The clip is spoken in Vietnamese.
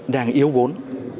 đang yếu vốn